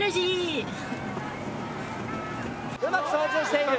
うまく操縦している。